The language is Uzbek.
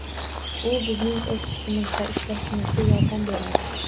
U bizning oʻsishimiz va ishlashimizga yordam beradi.